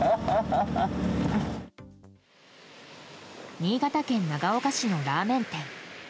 新潟県長岡市のラーメン店。